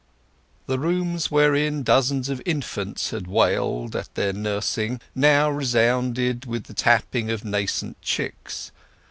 The rooms wherein dozens of infants had wailed at their nursing now resounded with the tapping of nascent chicks.